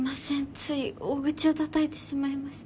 つい大口をたたいてしまいまして。